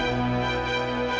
tante kita harus berhenti